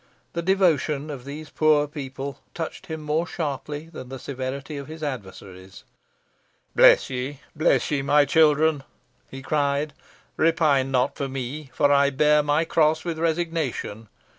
The devotion of these poor people touched him more sharply than the severity of his adversaries. "Bless ye! bless ye! my children," he cried; "repine not for me, for I bear my cross with resignation.